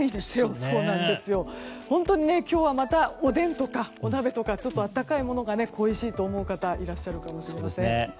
今日はまた、おでんとかお鍋とか温かいものが恋しいと思う方多いかもしれません。